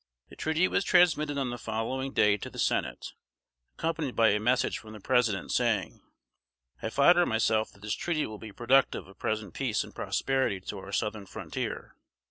The treaty was transmitted on the following day to the Senate, accompanied by a Message from the President, saying: "I flatter myself that this treaty will be productive of present peace and prosperity to our Southern frontier.